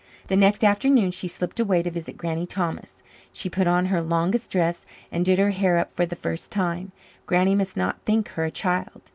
The next afternoon she slipped away to visit Granny Thomas. She put on her longest dress and did her hair up for the first time. Granny must not think her a child.